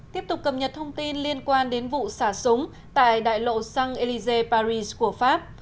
tiếp tục cập nhật thông tin liên quan đến vụ xả súng tại đại lộ xăng elize paris của pháp